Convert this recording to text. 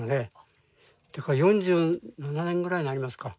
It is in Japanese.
だから４７年ぐらいになりますか。